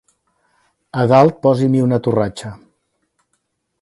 A dalt posi-m'hi una torratxa